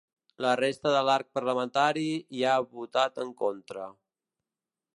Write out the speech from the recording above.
La resta de l’arc parlamentari hi ha votat en contra.